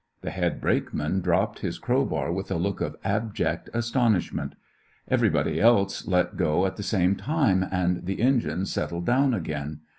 The head brakeman dropped his crowbar with a look of abject astonishment. Everybody else let go at the same time, and the engine settled down again.